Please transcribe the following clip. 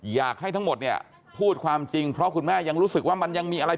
อยากให้ทั้งหมดเนี่ยพูดความจริงเพราะคุณแม่ยังรู้สึกว่ามันยังมีอะไร